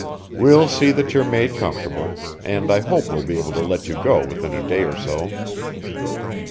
"We'll see that you're made comfortable, and I hope we'll be able to let you go within a day or so."